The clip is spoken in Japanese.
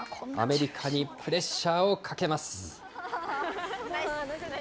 アメリカにプレッシャーをかけます。